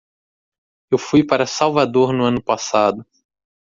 Eu fui para Salvador no ano passado.